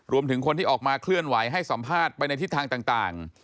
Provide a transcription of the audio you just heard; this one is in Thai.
รวมถึงคนที่ออกมาเคลื่อนไหวให้สัมภาษณ์ไปในทิศทางต่าง